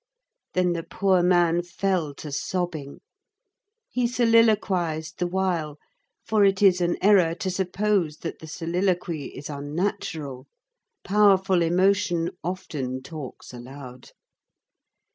Then the poor man fell to sobbing. He soliloquized the while, for it is an error to suppose that the soliloquy is unnatural. Powerful emotion often talks aloud.